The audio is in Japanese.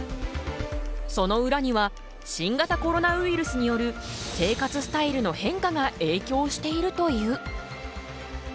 その裏には新型コロナウイルスによる生活スタイルの変化がえいきょうしているという。